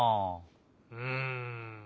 うん。